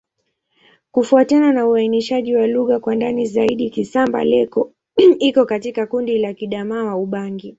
Kufuatana na uainishaji wa lugha kwa ndani zaidi, Kisamba-Leko iko katika kundi la Kiadamawa-Ubangi.